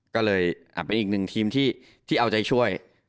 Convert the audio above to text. ก็เลยเป็นอีกหนึ่งทีมที่เอาใจช่วย